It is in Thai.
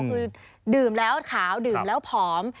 คือดื่มแล้วขาวดื่มแล้วผอม